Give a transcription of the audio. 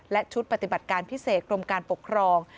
และชุดปฏิบัติการพิเศษกรมการปกครอง